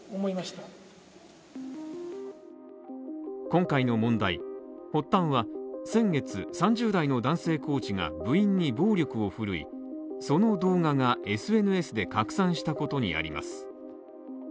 今回の問題、発端は先月３０代の男性コーチが部員に暴力を振るいその動画がＳＮＳで拡散したことにあります。